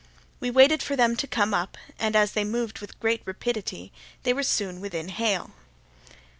We waited for them to come up, and, as they moved with great rapidity, they were soon within hail.